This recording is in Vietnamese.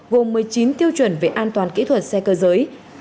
gồm một mươi chín tiêu chuẩn về an toàn kỹ thuật xe cơ giới